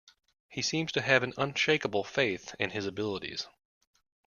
He seems to have an unshakeable faith in his abilities.